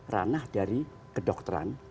ranah dari kedokteran